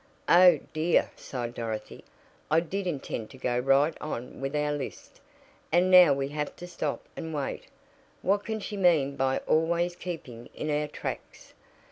"Oh, dear!" sighed Dorothy, "I did intend to go right on with our list. And now we have to stop and wait. What can she mean by always keeping in our tracks?